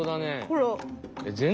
ほら。